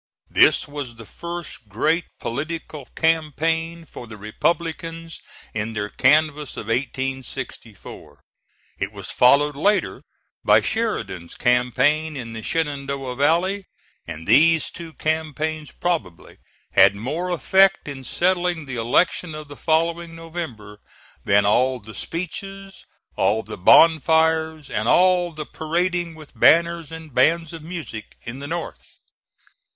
This was the first great political campaign for the Republicans in their canvass of 1864. It was followed later by Sheridan's campaign in the Shenandoah Valley; and these two campaigns probably had more effect in settling the election of the following November than all the speeches, all the bonfires, and all the parading with banners and bands of music in the North.